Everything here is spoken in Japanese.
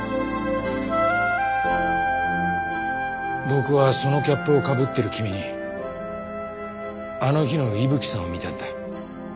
僕はそのキャップをかぶってる君にあの日の伊吹さんを見たんだ。